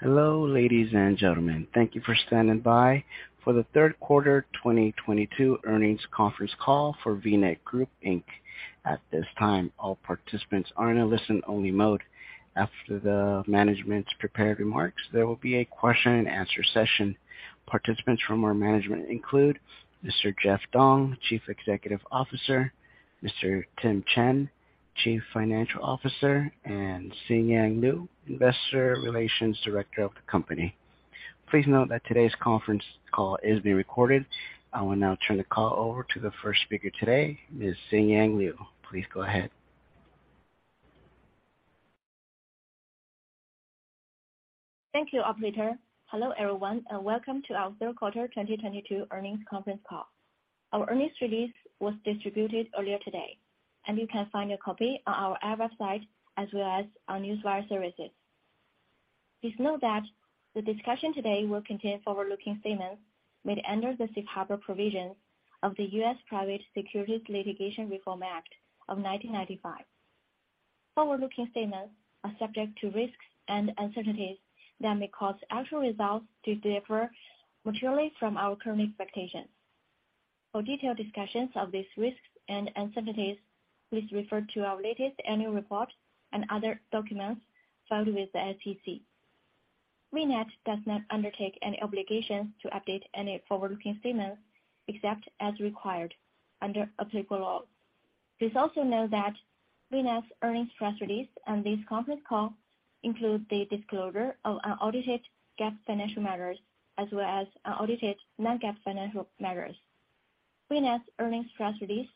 Hello, ladies and gentlemen. Thank you for standing by for the third quarter 2022 earnings conference call for VNET Group Inc. At this time, all participants are in a listen-only mode. After the management's prepared remarks, there will be a question and answer session. Participants from our management include Mr. Jeff Dong, Chief Executive Officer, Mr. Tim Chen, Chief Financial Officer, and Xinyuan Liu, Investor Relations Director of the company. Please note that today's conference call is being recorded. I will now turn the call over to the first speaker today, Ms. Xinyuan Liu. Please go ahead. Thank you, operator. Hello, everyone, and welcome to our third quarter 2022 earnings conference call. Our earnings release was distributed earlier today, and you can find a copy on our IR website as well as our newswire services. Please note that the discussion today will contain forward-looking statements made under the Safe Harbor Provisions of the U.S. Private Securities Litigation Reform Act of 1995. Forward-looking statements are subject to risks and uncertainties that may cause actual results to differ materially from our current expectations. For detailed discussions of these risks and uncertainties, please refer to our latest annual report and other documents filed with the SEC. VNET does not undertake any obligations to update any forward-looking statements except as required under applicable law. Please also note that VNET's earnings press release and this conference call include the disclosure of unaudited GAAP financial measures as well as unaudited non-GAAP financial measures. VNET's earnings press release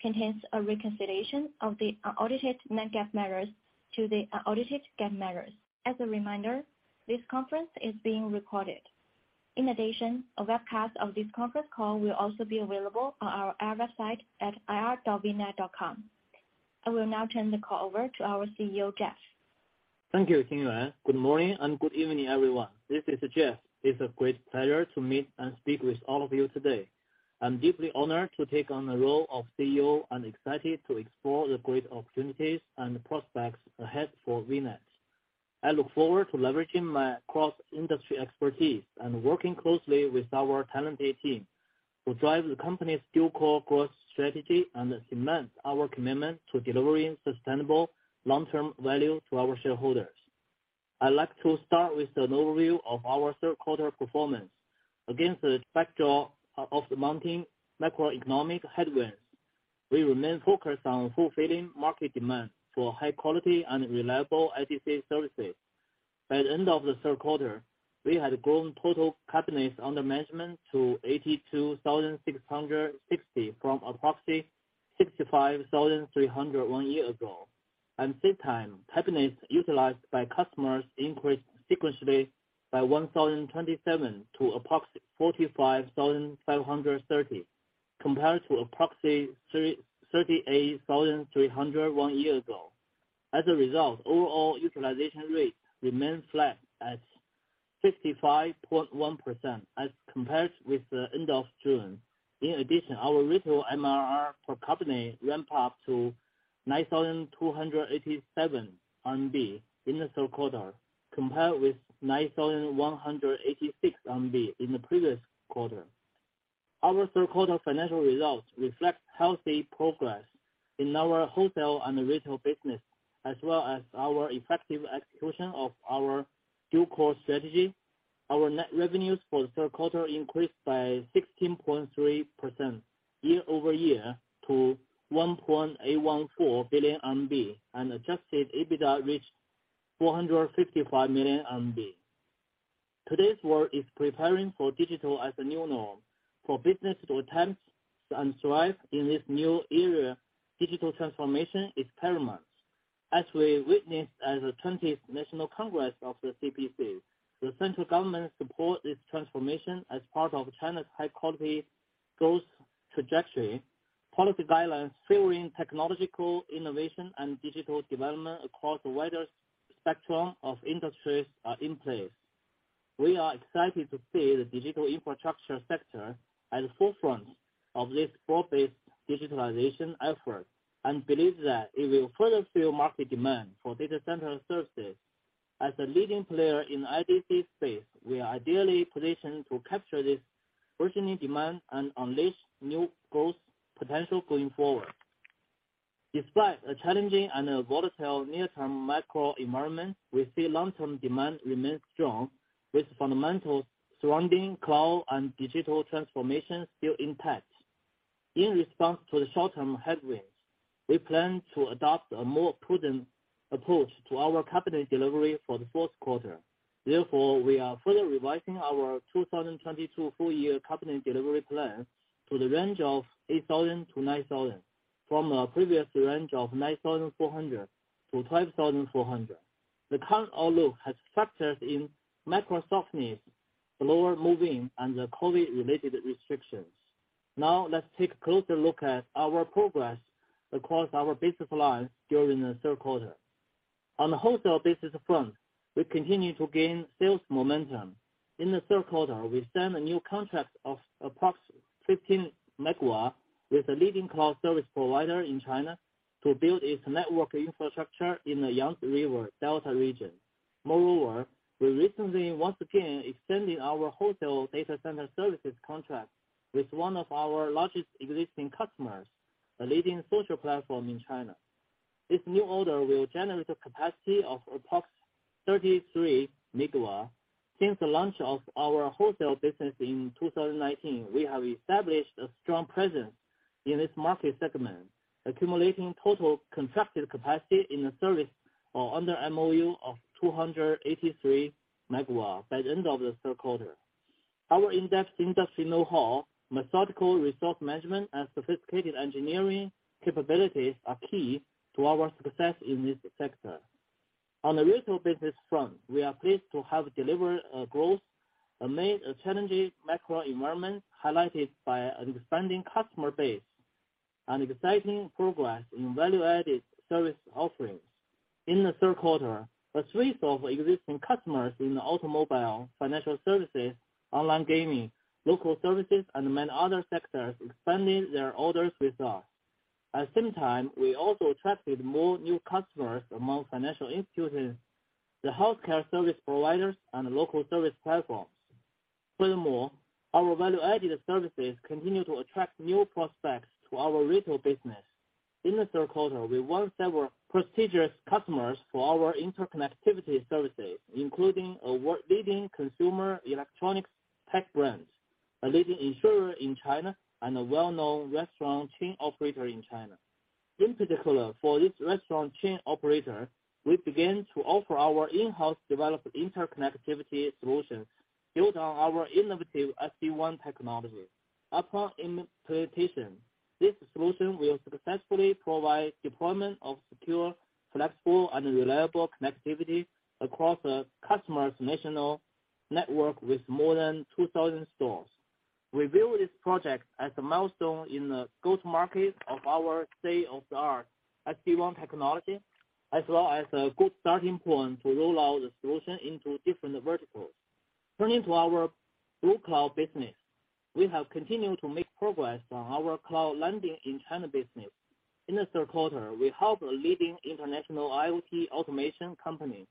contains a reconciliation of the unaudited non-GAAP measures to the unaudited GAAP measures. As a reminder, this conference is being recorded. In addition, a webcast of this conference call will also be available on our IR website at ir.vnet.com. I will now turn the call over to our CEO, Jeff. Thank you, Xinyuan. Good morning and good evening, everyone. This is Jeff. It's a great pleasure to meet and speak with all of you today. I'm deeply honored to take on the role of CEO and excited to explore the great opportunities and prospects ahead for VNET. I look forward to leveraging my cross-industry expertise and working closely with our talented team to drive the company's dual-core growth strategy and cement our commitment to delivering sustainable long-term value to our shareholders. I'd like to start with an overview of our third quarter performance. Against the backdrop of the mounting macroeconomic headwinds, we remain focused on fulfilling market demand for high quality and reliable IDC services. By the end of the third quarter, we had grown total cabinets under management to 82,660 from approximately 65,300 one year ago. Same time, cabinets utilized by customers increased sequentially by 1,027 to approximately 45,530, compared to approximately 38,301 one year ago. As a result, overall utilization rate remained flat at 65.1% as compared with the end of June. In addition, our retail MRR per cabinet ramped up to 9,287 RMB in the third quarter, compared with 9,186 RMB in the previous quarter. Our third quarter financial results reflect healthy progress in our wholesale and retail business, as well as our effective execution of our dual-core strategy. Our net revenues for the third quarter increased by 16.3% year-over-year to 1.814 billion RMB, adjusted EBITDA reached 455 million RMB. Today's world is preparing for digital as a new norm. For business to attempt and thrive in this new era, digital transformation is paramount. As we witnessed at the 20th National Congress of the CPC, the central government support this transformation as part of China's high-quality growth trajectory. Policy guidelines fueling technological innovation and digital development across a wider spectrum of industries are in place. We are excited to see the digital infrastructure sector at the forefront of this broad-based digitalization effort and believe that it will further fuel market demand for data center services. As a leading player in the IDC space, we are ideally positioned to capture this burgeoning demand and unleash new growth potential going forward. Despite a challenging and a volatile near-term macro environment, we see long-term demand remains strong with fundamentals surrounding cloud and digital transformation still intact. In response to the short-term headwinds, we plan to adopt a more prudent approach to our cabinet delivery for the fourth quarter. We are further revising our 2022 full year cabinet delivery plan to the range of 8,000-9,000 from a previous range of 9,400-12,400. The current outlook has factored in macro softness, slower move-in, and the COVID-related restrictions. Let's take a closer look at our progress across our business lines during the third quarter. On the wholesale business front, we continue to gain sales momentum. In the third quarter, we signed a new contract of approx 15 MW with a leading cloud service provider in China to build its network infrastructure in the Yangtze River Delta region. Moreover, we recently, once again, extended our wholesale data center services contract with one of our largest existing customers, a leading social platform in China. This new order will generate a capacity of approx 33 MW. Since the launch of our wholesale business in 2019, we have established a strong presence in this market segment, accumulating total constructed capacity in the service of under MOU of 283 MW by the end of the third quarter. Our in-depth industry know-how, methodical resource management, and sophisticated engineering capabilities are key to our success in this sector. On the retail business front, we are pleased to have delivered growth amid a challenging macro environment, highlighted by an expanding customer base and exciting progress in value-added service offerings. In the third quarter, a suite of existing customers in the automobile, financial services, online gaming, local services, and many other sectors expanded their orders with us. At the same time, we also attracted more new customers among financial institutions, the healthcare service providers, and local service platforms. Furthermore, our value-added services continue to attract new prospects to our retail business. In the third quarter, we won several prestigious customers for our interconnectivity services, including a world leading consumer electronics tech brand, a leading insurer in China, and a well-known restaurant chain operator in China. In particular, for this restaurant chain operator, we began to offer our in-house developed interconnectivity solutions built on our innovative SD-WAN technology. Upon implementation, this solution will successfully provide deployment of secure, flexible, and reliable connectivity across a customer's national network with more than 2,000 stores. We view this project as a milestone in the go-to-market of our state-of-the-art SD-WAN technology, as well as a good starting point to roll out the solution into different verticals. Turning to our Blue Cloud business. We have continued to make progress on our cloud landing in China business. In the third quarter, we helped a leading international IoT automation company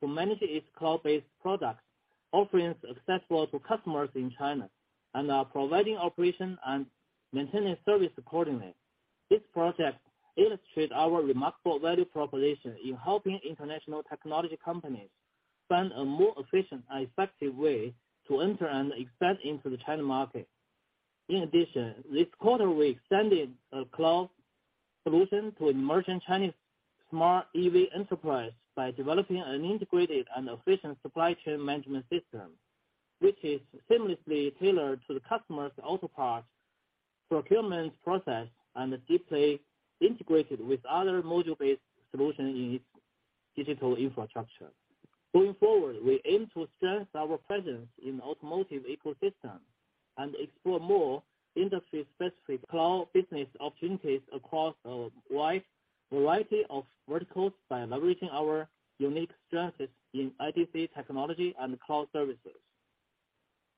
to manage its cloud-based product offerings accessible to customers in China and are providing operation and maintenance service accordingly. This project illustrates our remarkable value proposition in helping international technology companies find a more efficient and effective way to enter and expand into the China market. In addition, this quarter, we extended a cloud solution to an emerging Chinese smart EV enterprise by developing an integrated and efficient supply chain management system, which is seamlessly tailored to the customer's auto parts procurement process and deeply integrated with other module-based solutions in its digital infrastructure. Going forward, we aim to strengthen our presence in the automotive ecosystem and explore more industry-specific cloud business opportunities across a wide variety of verticals by leveraging our unique strengths in IDC technology and cloud services.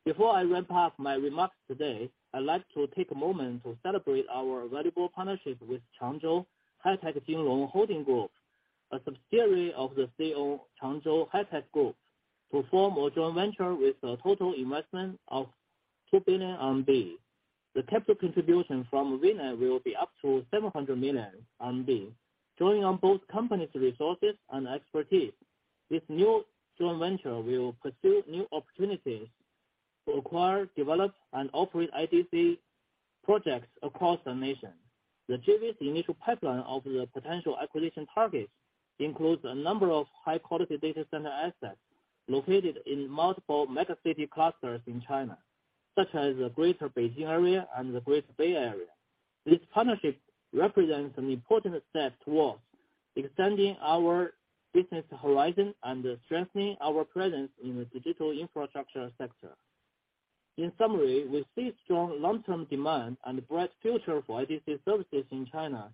Before I wrap up my remarks today, I'd like to take a moment to celebrate our valuable partnership with Changzhou High-tech Jinlong Holding Group, a subsidiary of the CO Changzhou High-tech Group, to form a joint venture with a total investment of 2 billion. The capital contribution from VNET will be up to 700 million. Drawing on both companies' resources and expertise, this new joint venture will pursue new opportunities to acquire, develop, and operate IDC projects across the nation. The JV's initial pipeline of the potential acquisition targets includes a number of high-quality data center assets located in multiple mega-city clusters in China, such as the Greater Beijing area and the Greater Bay Area. This partnership represents an important step towards extending our business horizon and strengthening our presence in the digital infrastructure sector. In summary, we see strong long-term demand and bright future for IDC services in China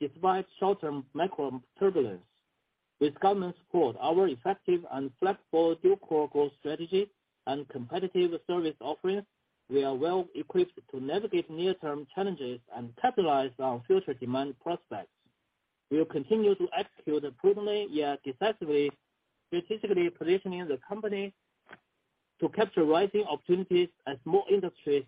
despite short-term macro turbulence. With government support, our effective and flexible dual-core growth strategy and competitive service offerings, we are well-equipped to navigate near-term challenges and capitalize on future demand prospects. We will continue to execute prudently yet decisively, strategically positioning the company to capture rising opportunities as more industries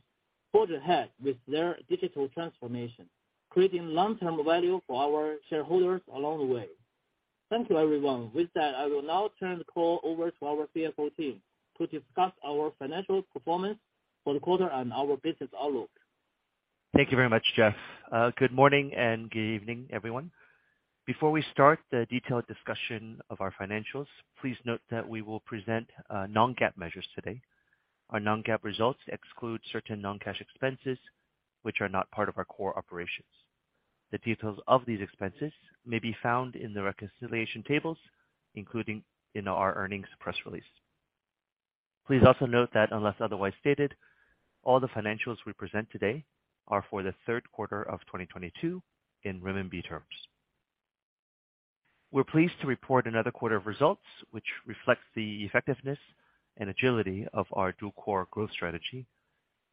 forge ahead with their digital transformation, creating long-term value for our shareholders along the way. Thank you, everyone. With that, I will now turn the call over to our CFO team to discuss our financial performance for the quarter and our business outlook. Thank you very much, Jeff. Good morning and good evening, everyone. Before we start the detailed discussion of our financials, please note that we will present non-GAAP measures today. Our non-GAAP results exclude certain non-cash expenses, which are not part of our core operations. The details of these expenses may be found in the reconciliation tables, including in our earnings press release. Please also note that unless otherwise stated, all the financials we present today are for the third quarter of 2022 in renminbi terms. We're pleased to report another quarter of results which reflects the effectiveness and agility of our dual-core growth strategy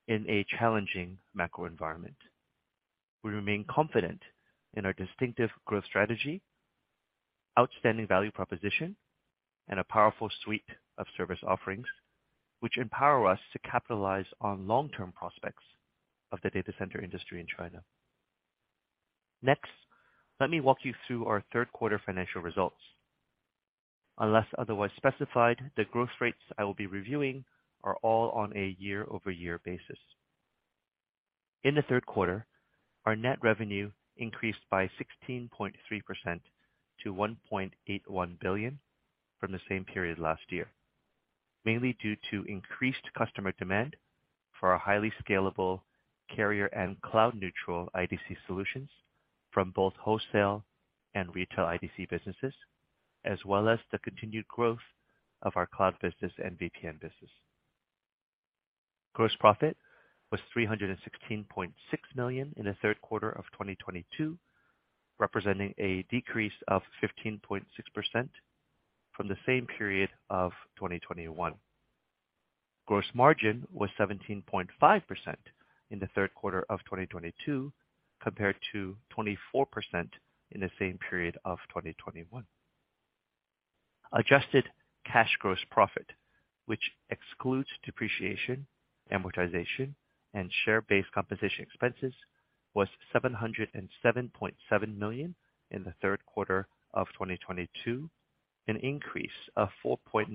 in a challenging macro environment. We remain confident in our distinctive growth strategy, outstanding value proposition, and a powerful suite of service offerings which empower us to capitalize on long-term prospects of the data center industry in China. Next, let me walk you through our third quarter financial results. Unless otherwise specified, the growth rates I will be reviewing are all on a year-over-year basis. In the third quarter, our net revenue increased by 16.3% to 1.81 billion from the same period last year, mainly due to increased customer demand for our highly scalable carrier- and cloud-neutral IDC solutions from both wholesale and retail IDC businesses, as well as the continued growth of our cloud business and VPN business. Gross profit was 316.6 million in the third quarter of 2022, representing a decrease of 15.6% from the same period of 2021. Gross margin was 17.5% in the third quarter of 2022, compared to 24% in the same period of 2021. Adjusted cash gross profit, which excludes depreciation, amortization, and share-based compensation expenses, was 707.7 million in the third quarter of 2022, an increase of 4.9%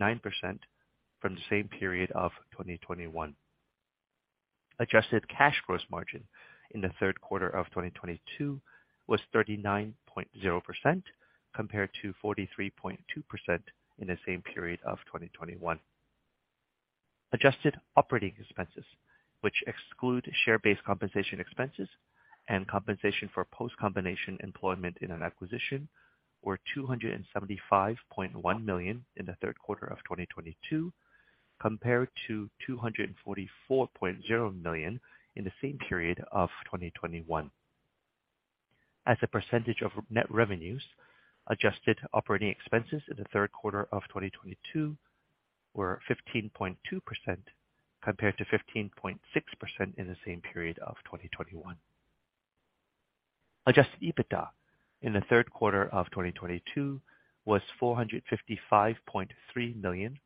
from the same period of 2021. Adjusted cash gross margin in the third quarter of 2022 was 39.0% compared to 43.2% in the same period of 2021. Adjusted operating expenses, which exclude share-based compensation expenses and compensation for post-combination employment in an acquisition, were 275.1 million in the third quarter of 2022, compared to 244.0 million in the same period of 2021. As a percentage of net revenues, adjusted operating expenses in the third quarter of 2022 were 15.2% compared to 15.6% in the same period of 2021. Adjusted EBITDA in the third quarter of 2022 was 455.3 million,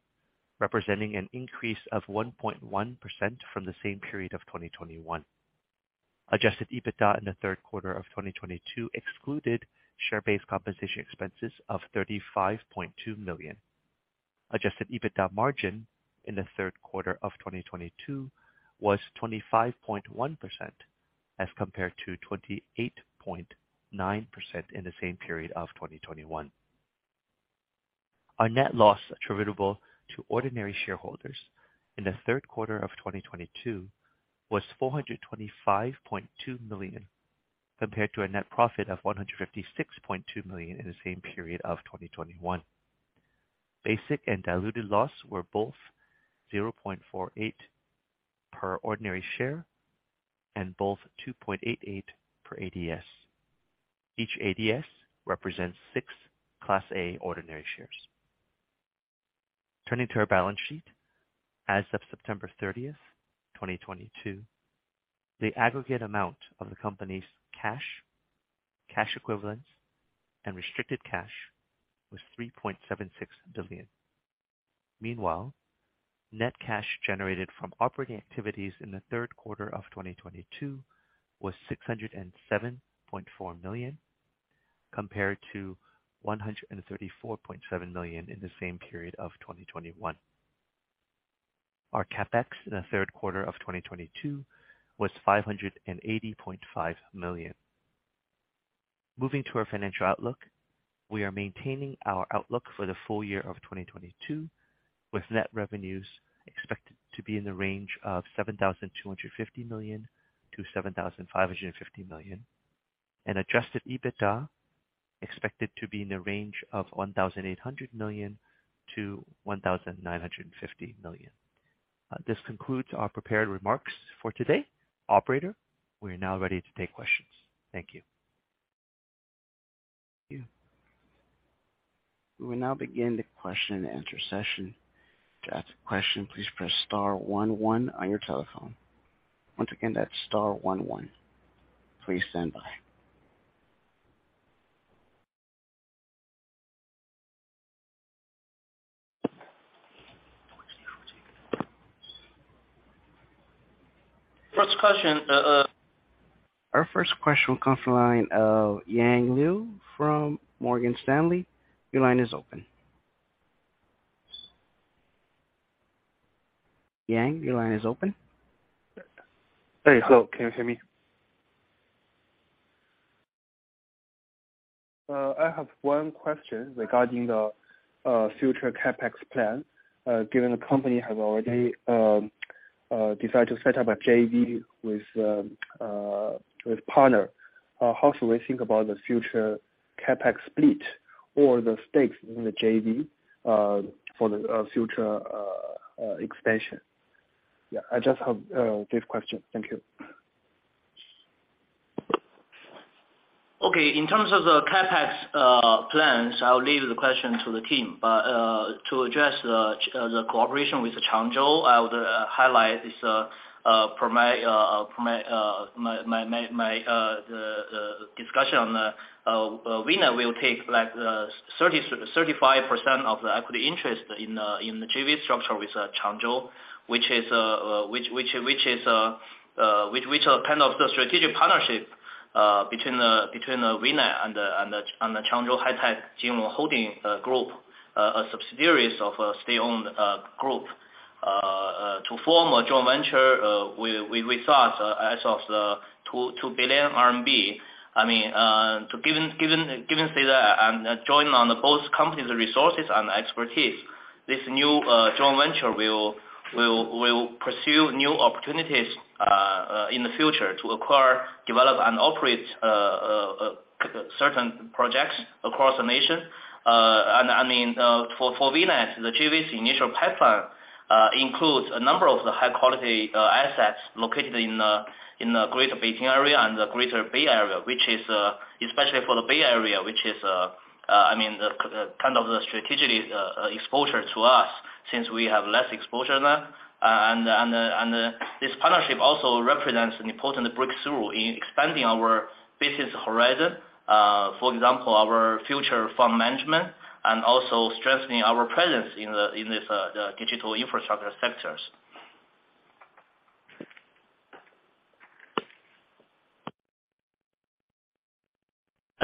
representing an increase of 1.1% from the same period of 2021. Adjusted EBITDA in the third quarter of 2022 excluded share-based compensation expenses of 35.2 million. Adjusted EBITDA margin in the third quarter of 2022 was 25.1% as compared to 28.9% in the same period of 2021. Our net loss attributable to ordinary shareholders in the third quarter of 2022 was 425.2 million, compared to a net profit of 156.2 million in the same period of 2021. Basic and diluted loss were both 0.48 per ordinary share and both 2.88 per ADS. Each ADS represents six Class A ordinary shares. Turning to our balance sheet. As of September 30th, 2022, the aggregate amount of the company's cash equivalents, and restricted cash was 3.76 billion. Meanwhile, net cash generated from operating activities in the third quarter of 2022 was 607.4 million, compared to 134.7 million in the same period of 2021. Our CapEx in the third quarter of 2022 was 580.5 million. Moving to our financial outlook, we are maintaining our outlook for the full year of 2022, with net revenues expected to be in the range of 7,250 million-7,550 million, and adjusted EBITDA expected to be in the range of 1,800 million-1,950 million. This concludes our prepared remarks for today. Operator, we are now ready to take questions. Thank you. We will now begin the question and answer session. To ask a question, please press star one one on your telephone. Once again, that's star one one. Please stand by. First question. Our first question will come from the line of Yang Liu from Morgan Stanley. Your line is open. Yang, your line is open. Hey. Hello. Can you hear me? I have one question regarding the future CapEx plan. Given the company have already decided to set up a JV with partner, how should we think about the future CapEx split or the stakes in the JV for the future expansion? Yeah, I just have this question. Thank you. Okay. In terms of the CapEx plans, I will leave the question to the team. To address the cooperation with Changzhou, I would highlight is per my discussion on VNET will take like 30%-35% of the equity interest in the JV structure with Changzhou, which is kind of the strategic partnership between VNET and Changzhou High-tech Jinlong Holding Group, a subsidiaries of a state-owned group, to form a joint venture with us as of 2 billion RMB. I mean, to given say that I'm joined on the both companies' resources and expertise, this new joint venture will pursue new opportunities in the future to acquire, develop and operate certain projects across the nation. I mean, for VNET the JV's initial pipeline includes a number of the high quality assets located in the Greater Beijing Area and the Greater Bay Area, which is, especially for the Bay Area, which is, I mean, the kind of the strategic exposure to us since we have less exposure there. This partnership also represents an important breakthrough in expanding our business horizon, for example our future fund management and also strengthening our presence in the, in this, the digital infrastructure sectors.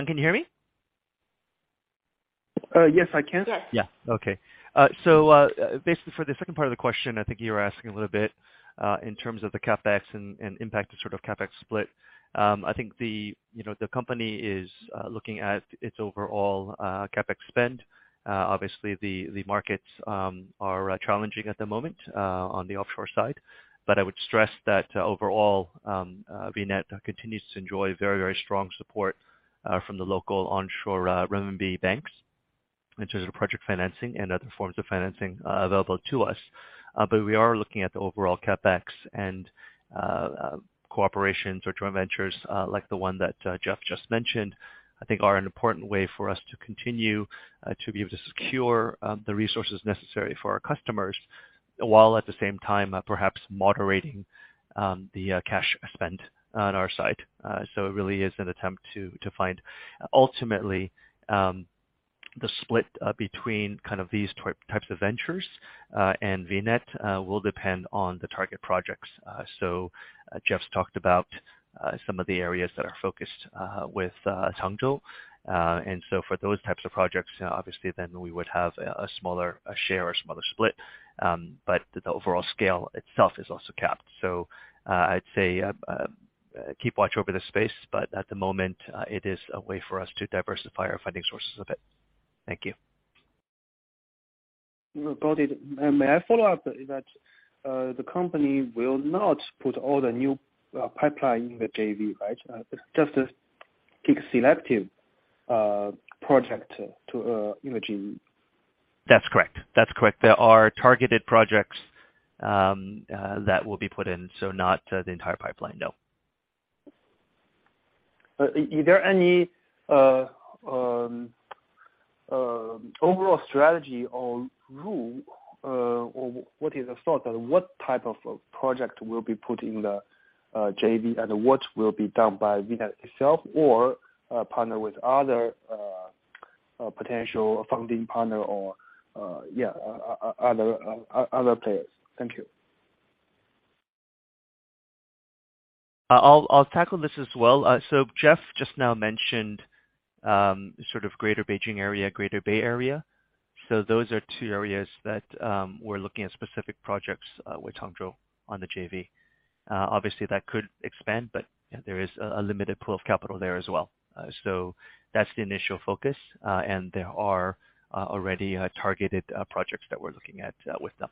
Can you hear me? Yes I can. Yes. Yeah. Okay. Basically for the second part of the question, I think you were asking a little bit in terms of the CapEx and impact of sort of CapEx split. I think the, you know, the company is looking at its overall CapEx spend. Obviously the markets are challenging at the moment on the offshore side. But I would stress that overall VNET continues to enjoy very, very strong support from the local onshore RMB banks in terms of project financing and other forms of financing available to us. We are looking at the overall CapEx and cooperation, joint ventures, like the one that Jeff just mentioned, I think are an important way for us to continue to be able to secure the resources necessary for our customers, while at the same time, perhaps moderating the cash spend on our side. It really is an attempt to find ultimately the split between kind of these types of ventures. VNET will depend on the target projects. Jeff's talked about some of the areas that are focused with Changzhou. For those types of projects, obviously then we would have a smaller share or smaller split. The overall scale itself is also capped. I'd say, keep watch over this space, but at the moment, it is a way for us to diversify our funding sources a bit. Thank you. Brody, may I follow up that the company will not put all the new pipeline in the JV, right? Just to pick selective project to, you know, JV. That's correct. That's correct. There are targeted projects, that will be put in, so not the entire pipeline. No. ll strategy or rule, or what is the thought on what type of project will be put in the JV and what will be done by VNET itself or partner with other potential funding partner or other players? Thank you I'll tackle this as well. Jeff just now mentioned sort of Greater Beijing area, Greater Bay area. Those are two areas that we're looking at specific projects with Changzhou on the JV. Obviously, that could expand, but there is a limited pool of capital there as well. That's the initial focus. There are already targeted projects that we're looking at with them.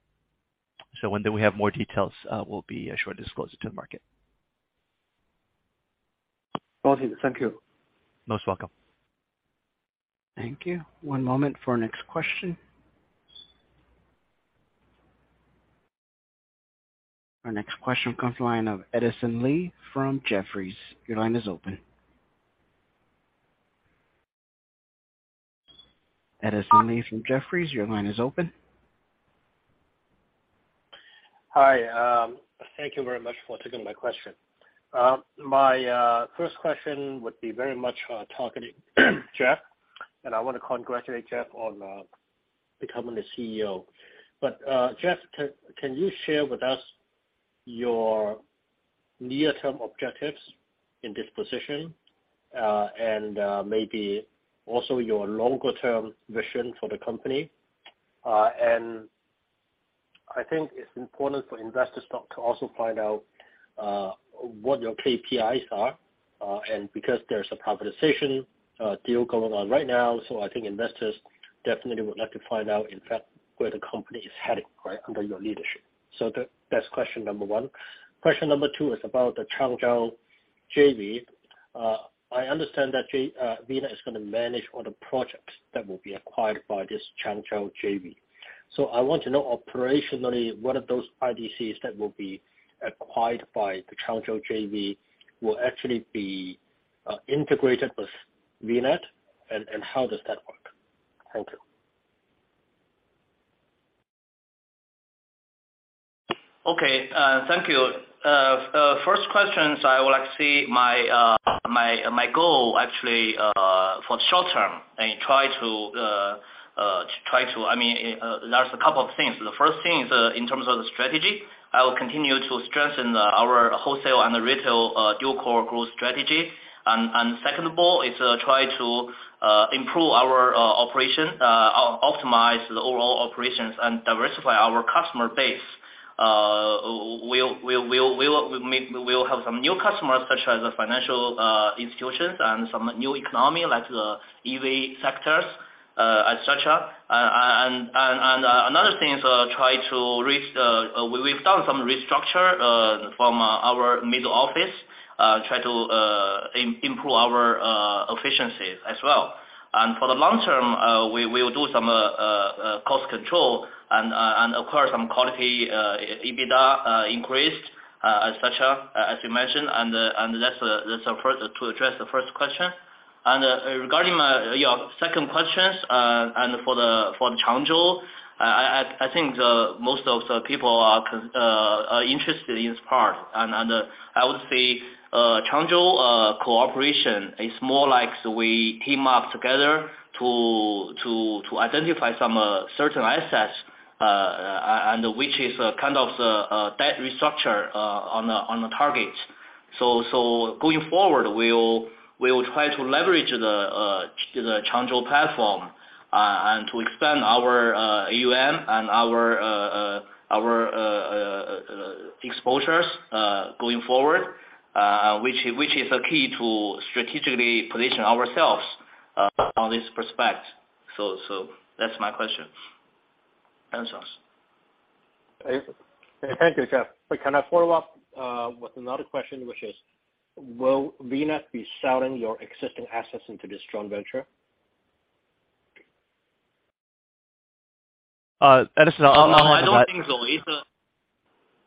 When then we have more details, we'll be sure to disclose it to the market. Got it. Thank you. Most welcome. Thank you. One moment for our next question. Our next question comes line of Edison Lee from Jefferies. Your line is open. Edison Lee from Jefferies, your line is open. Hi. Thank you very much for taking my question. My first question would be very much targeting Jeff, and I want to congratulate Jeff on becoming the CEO. Jeff, can you share with us your near-term objectives in this position? And maybe also your longer term vision for the company. And I think it's important for investors to also find out what your KPIs are, and because there's a privatization deal going on right now. I think investors definitely would like to find out in fact, where the company is heading, right? Under your leadership. That's question number one. Question number two is about the Changzhou JV. I understand that VNET is gonna manage all the projects that will be acquired by this Changzhou JV. I want to know operationally, what are those IDCs that will be acquired by the Changzhou JV will actually be integrated with VNET, and how does that work? Thank you. Okay. Thank you. First questions, I would like to see my goal actually, for short term. I mean, there's a couple of things. The first thing is in terms of the strategy, I will continue to strengthen our wholesale and retail dual-core growth strategy. Second of all is try to improve our operation, optimize the overall operations and diversify our customer base. We'll have some new customers such as the financial institutions and some new economy like the EV sectors, et cetera. Another thing is we've done some restructure from our middle office, try to improve our efficiency as well. For the long term, we will do some cost control and acquire some quality EBITDA increase, et cetera, as you mentioned. That's a first to address the first question. Regarding your second questions, and for the Changzhou, I think most of the people are interested in this part. I would say Changzhou cooperation is more like we team up together to identify some certain assets, and which is kind of the debt restructure on a target. Going forward, we'll try to leverage the Changzhou platform and to expand our AUM and our exposures going forward, which is a key to strategically position ourselves on this prospect. That's my question. Answers. Thank you, Jeff. Can I follow up with another question, which is, will VNET be selling your existing assets into this joint venture? Edison, I'll- I don't think so,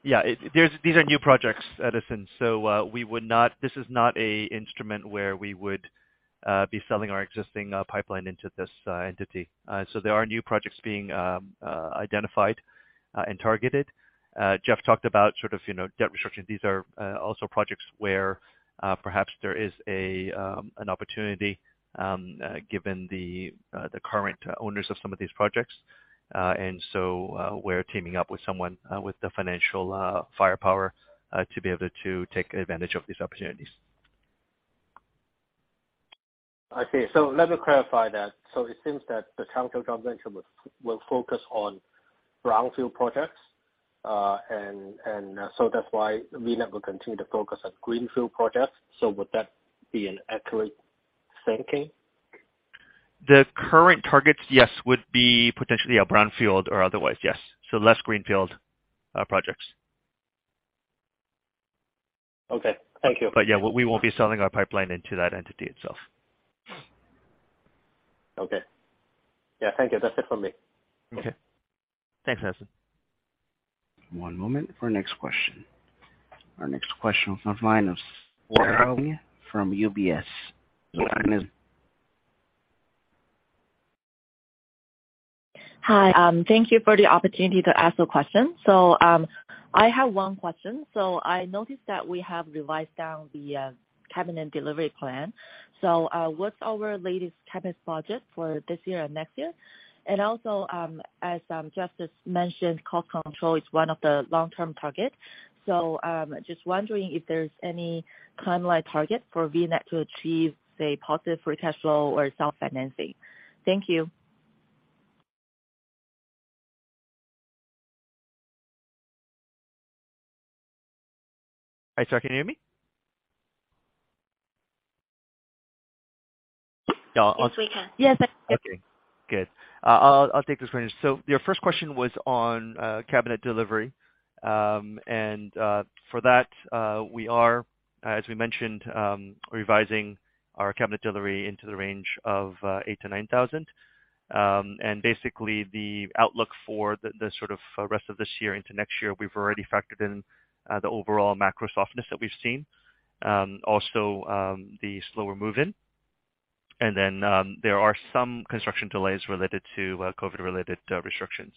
either. These are new projects, Edison. We would not. This is not an instrument where we would be selling our existing pipeline into this entity. There are new projects being identified and targeted. Jeff talked about sort of, you know, debt restructuring. These are also projects where perhaps there is an opportunity given the current owners of some of these projects. We're teaming up with someone with the financial firepower to be able to take advantage of these opportunities. I see. Let me clarify that. It seems that the Changzhou joint venture will focus on brownfield projects. That's why VNET will continue to focus on greenfield projects. Would that be an accurate thinking? The current targets, yes, would be potentially a brownfield or otherwise, yes. Less greenfield projects. Okay. Thank you. Yeah, we won't be selling our pipeline into that entity itself. Okay. Yeah. Thank you. That's it for me. Okay. Thanks, Edison. One moment for next question. Our next question on the line is from UBS. Your line. Hi. Thank you for the opportunity to ask a question. I have one question. I noticed that we have revised down the cabinet delivery plan. What's our latest cabinet budget for this year and next year? Also, as Jeff mentioned, cost control is one of the long-term target. Just wondering if there's any timeline target for VNET to achieve, say, positive free cash flow or self-financing? Thank you. Hi, Sara, can you hear me? Yes, we can. Yes. Okay, good. I'll take this one. Your first question was on cabinet delivery. For that, we are, as we mentioned, revising our cabinet delivery into the range of 8,000-9,000. Basically, the outlook for the sort of rest of this year into next year, we've already factored in the overall macro softness that we've seen. Also, the slower move-in. Then, there are some construction delays related to COVID-related restrictions.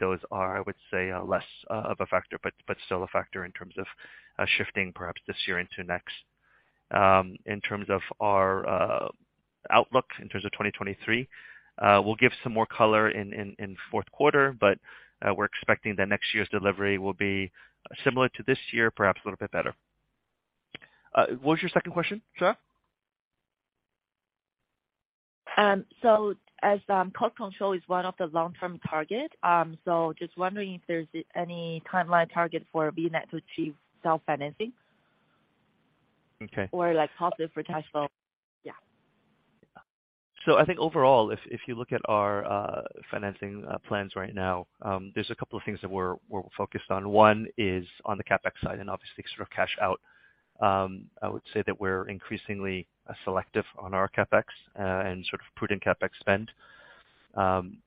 Those are, I would say, less of a factor, but still a factor in terms of shifting perhaps this year into next. In terms of our outlook in terms of 2023, we'll give some more color in fourth quarter, but we're expecting that next year's delivery will be similar to this year, perhaps a little bit better. What was your second question, Sara? As cost control is one of the long-term target, so just wondering if there's any timeline target for VNET to achieve self-financing? Okay. Like positive free cash flow. Yeah. I think overall, if you look at our financing plans right now, there's a couple of things that we're focused on. One is on the CapEx side and obviously sort of cash out. I would say that we're increasingly selective on our CapEx and sort of prudent CapEx spend.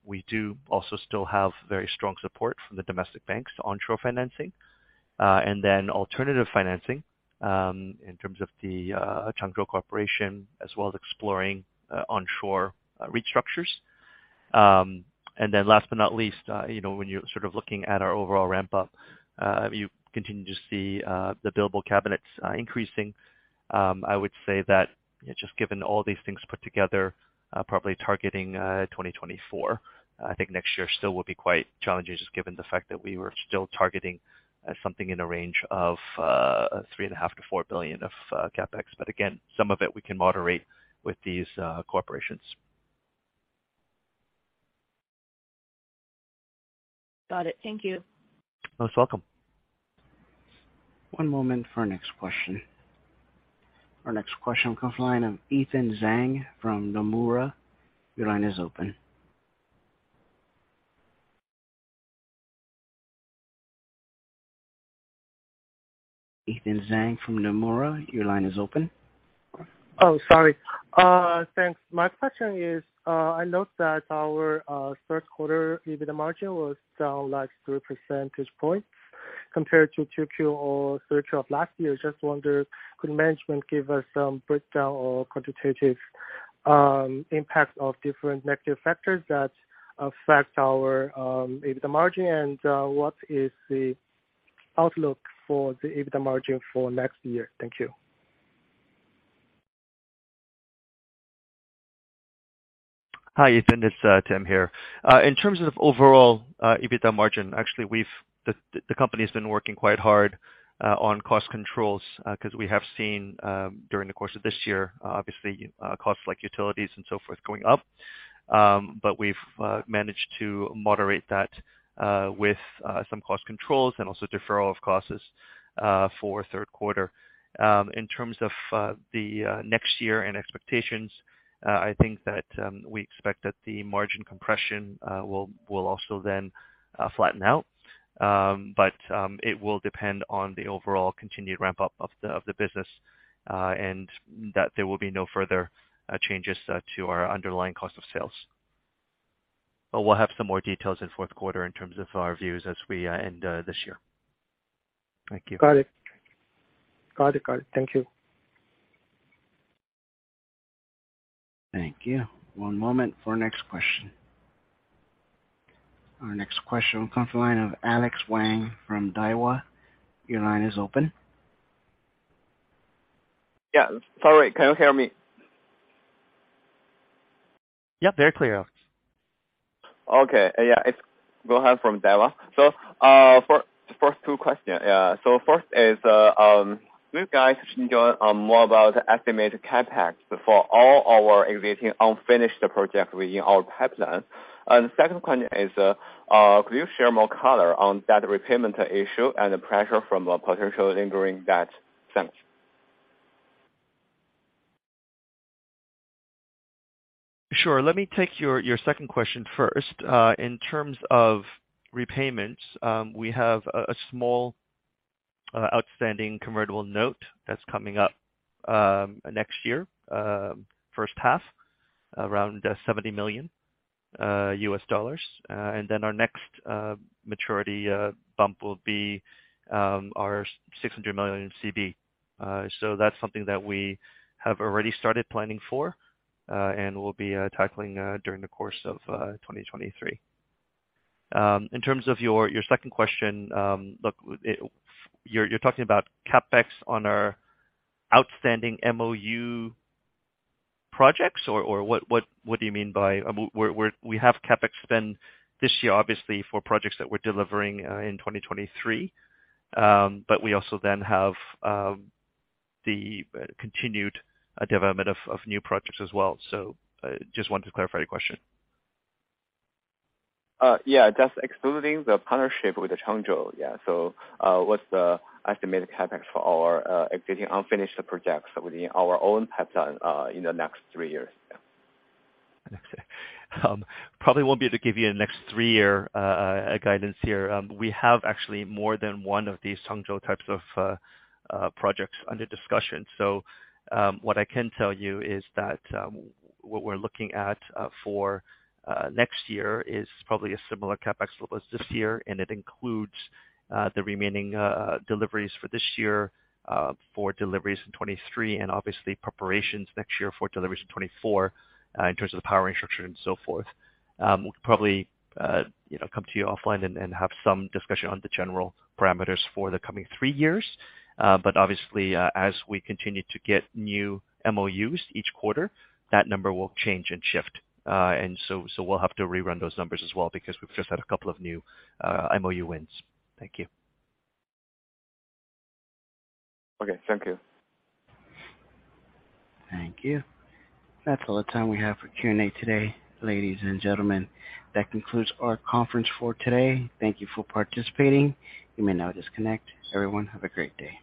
We do also still have very strong support from the domestic banks, onshore financing, and then alternative financing, in terms of the Changzhou Corporation as well as exploring onshore restructures. Last but not least, you know, when you're sort of looking at our overall ramp up, you continue to see the billable cabinets increasing. I would say that just given all these things put together, probably targeting 2024. I think next year still will be quite challenging just given the fact that we were still targeting, something in the range of, 3.5 billion-4 billion of, CapEx. Again, some of it we can moderate with these, cooperations. Got it. Thank you. Most welcome. One moment for our next question. Our next question comes line of Ethan Zhang from Nomura. Your line is open. Ethan Zhang from Nomura, your line is open. Oh, sorry. Thanks. My question is, I noticed that our third quarter EBITDA margin was down like 3 percentage points compared to 2Q or 3Q of last year. Just wonder, could management give us some breakdown or quantitative impact of different negative factors that affect our EBITDA margin? What is the outlook for the EBITDA margin for next year? Thank you. Hi, Ethan. It's Tim here. In terms of overall EBITDA margin, actually the company's been working quite hard on cost controls, because we have seen during the course of this year obviously, costs like utilities and so forth going up. We've managed to moderate that with some cost controls and also deferral of costs for third quarter. In terms of the next year and expectations, I think that we expect that the margin compression will also then flatten out. It will depend on the overall continued ramp up of the business, and that there will be no further changes to our underlying cost of sales. We'll have some more details in fourth quarter in terms of our views as we end this year. Thank you. Got it. Got it. Got it. Thank you. Thank you. One moment for our next question. Our next question comes from the line of Alex Wang from Daiwa. Your line is open. Yeah. Sorry. Can you hear me? Yep, very clear. Okay. Yeah. It's Wang from Daiwa. First two question. First is, you guys should know, more about estimated CapEx for all our existing unfinished project within our pipeline. Second question is, could you share more color on that repayment issue and the pressure from a potential lingering debt? Thanks. Sure. Let me take your second question first. In terms of repayments, we have a small outstanding convertible note that's coming up next year, first half around $70 million. Then our next maturity bump will be our $600 million CB. That's something that we have already started planning for, and we'll be tackling during the course of 2023. In terms of your second question, look, you're talking about CapEx on our outstanding MOU projects or what do you mean by? We have CapEx spend this year obviously for projects that we're delivering in 2023. We also then have the continued development of new projects as well. Just wanted to clarify your question. Yeah, just excluding the partnership with Changzhou. What's the estimated CapEx for our existing unfinished projects within our own pipeline in the next three years? Probably won't be able to give you a next three-year guidance here. We have actually more than one of these Changzhou types of projects under discussion. What I can tell you is that what we're looking at for next year is probably a similar CapEx level as this year, and it includes the remaining deliveries for this year, for deliveries in 2023 and obviously preparations next year for deliveries in 2024, in terms of the power infrastructure and so forth. We could probably, you know, come to you offline and have some discussion on the general parameters for the coming three years. Obviously, as we continue to get new MOUs each quarter, that number will change and shift. We'll have to rerun those numbers as well because we've just had a couple of new MOU wins. Thank you. Okay. Thank you. Thank you. That's all the time we have for Q&A today, ladies and gentlemen. That concludes our conference for today. Thank you for participating. You may now disconnect. Everyone, have a great day.